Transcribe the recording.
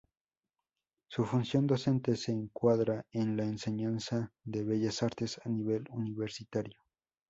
Su función docente se encuadra en la enseñanza de Bellas Artes a nivel universitario.